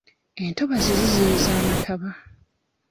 Entobazi ziziyiza amataba.